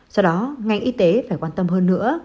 do đó ngành y tế phải quan tâm hơn nữa